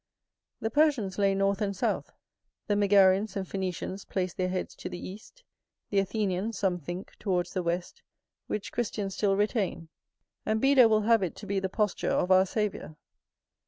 The Persians lay north and south; the Megarians and Phœnicians placed their heads to the east; the Athenians, some think, towards the west, which Christians still retain. And Beda will have it to be the posture of our Saviour.